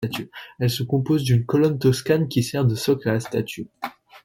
Elle se compose d'une colonne toscane qui sert de socle à la statue.